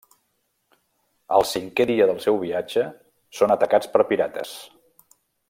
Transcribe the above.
El cinquè dia del seu viatge, són atacats per pirates.